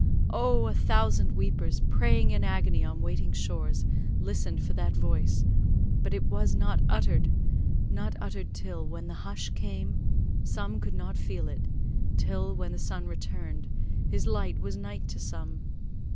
Oh! a thousand weepers, praying in agony on waiting shores, listened for that voice, but it was not uttered—not uttered till; when the hush came, some could not feel it: till, when the sun returned, his light was night to some!